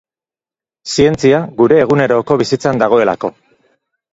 Zientzia gure eguneroko bizitzan dagoelako.